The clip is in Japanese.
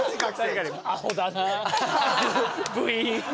部員。